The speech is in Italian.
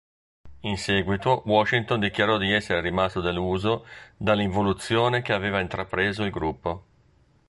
In seguito Washington dichiarò di essere rimasto deluso dall'involuzione che aveva intrapreso il gruppo.